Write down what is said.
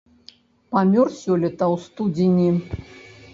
Памёр сёлета ў студзені.